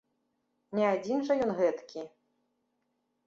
Не адзін жа ён гэткі!